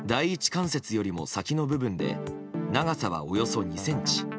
関節よりも先の部分で長さは、およそ２ｃｍ。